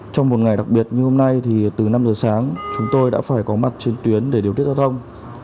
trong một ngày đặc biệt như hôm nay thì từ năm giờ sáng chúng tôi đã phải có mặt chiến tuyến để điều tiết giao thông